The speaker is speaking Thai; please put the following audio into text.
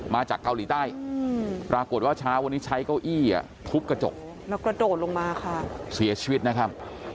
มาจากเกาหลีใต้ปรากฏว่าเช้าวันนี้ใช้เก้าอี้ทุบกระจกแล้วกระโดดลงมาค่ะเสียชีวิตนะครับ